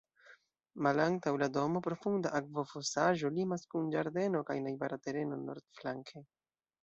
Malantaŭ la domo, profunda akvofosaĵo limas kun ĝardeno kaj najbara tereno nordflanke.